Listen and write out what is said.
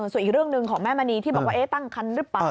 ส่วนอีกเรื่องหนึ่งของแม่มณีที่บอกว่าตั้งคันหรือเปล่า